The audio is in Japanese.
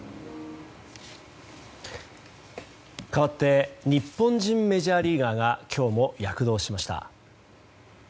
かわって日本人メジャーリーガーが今日も躍動しました。